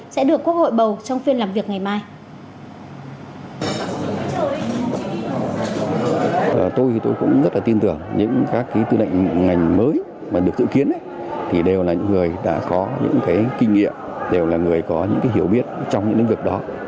sẽ được quốc hội bầu trong phiên làm việc ngày mai